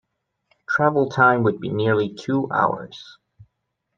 Travel time would be nearly two hours.